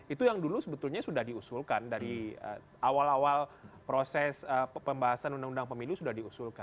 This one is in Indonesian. itu yang dulu sebetulnya sudah diusulkan dari awal awal proses pembahasan undang undang pemilu sudah diusulkan